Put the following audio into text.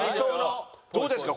どうですか？